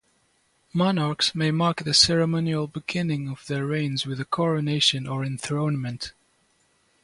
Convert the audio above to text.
Monarchs may mark the ceremonial beginning of their reigns with a coronation or enthronement.